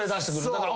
だから。